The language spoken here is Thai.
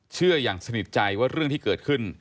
เชื่ออย่างสนิทใจว่าเรื่องที่เกิดขึ้น